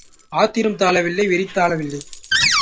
ஆத்திரம் தாளவில்லை வெறி தாளவில்லை.